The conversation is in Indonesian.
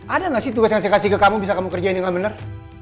ada nggak sih tugas yang saya kasih ke kamu bisa kamu kerjain dengan benar